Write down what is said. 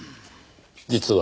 実は。